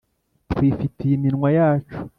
Twifitiye iminwa yacu